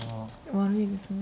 悪いですね。